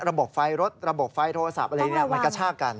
ระบบไฟรถระบบไฟโทรศัพท์อะไรมันกระชากกัน